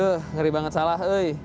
duh ngeri banget salah